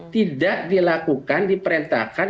tidak dilakukan diperintahkan